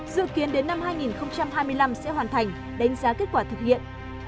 dự kiến đến năm hai nghìn hai mươi năm sẽ hoàn thành đánh giá kết quả thực hiện